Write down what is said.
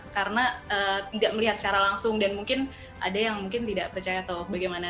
karena tidak melihat secara langsung dan mungkin ada yang tidak percaya atau bagaimana